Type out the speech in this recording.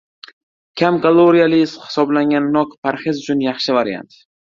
Kam kaloriyali hisoblangan nok parhez uchun yaxshi variant